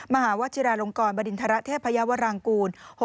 มหาวชิราลงกรบริณฑระเทพยาวรางกูล